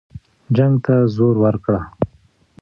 جنګ ته زور ورکړه.